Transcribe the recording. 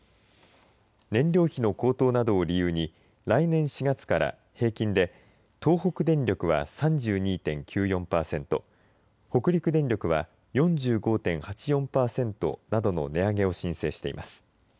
燃料費の高騰などを理由に来年４月から平均で東北電力は３２．９４パーセント北陸電力は４５．８４パーセントなどの値上げを申請しています。